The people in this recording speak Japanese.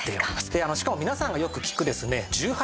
でしかも皆さんがよく聞くですね１８